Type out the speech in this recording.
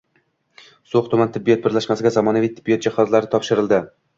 So‘x tuman tibbiyot birlashmasiga zamonaviy tibbiyot jihozlari topshirildi